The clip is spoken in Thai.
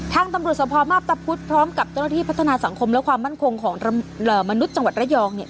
ทางตำรวจสภมาพตะพุธพร้อมกับเจ้าหน้าที่พัฒนาสังคมและความมั่นคงของมนุษย์จังหวัดระยองเนี่ย